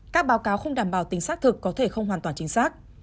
các báo cáo không đảm bảo tính xác thực có thể không hoàn toàn chính xác